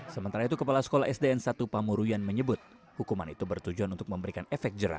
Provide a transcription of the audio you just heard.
sementara itu kepala sekolah sdn satu pamuruyan menyebut hukuman itu bertujuan untuk memberikan efek jerah